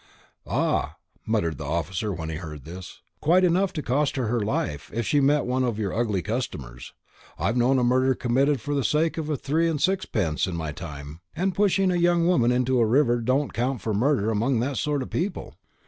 "Ah," muttered the officer when he heard this, "quite enough to cost her her life, if she met with one of your ugly customers. I've known a murder committed for the sake of three and sixpence in my time; and pushing a young woman into the river don't count for murder among that sort of people.